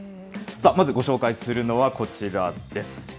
まずご紹介するのはこちらです。